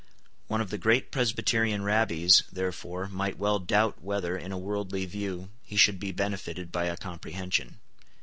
One of the great Presbyterian Rabbies, therefore, might well doubt whether, in a worldly view, he should be benefited by a comprehension.